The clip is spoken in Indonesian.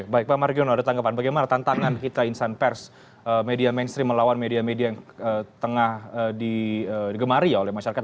baik pak margiono ada tanggapan bagaimana tantangan kita insan pers media mainstream melawan media media yang tengah digemari ya oleh masyarakat